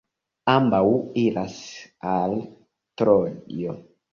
Ambaŭ iras al Trojo.